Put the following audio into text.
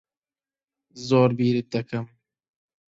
زۆر بیرت دەکەم.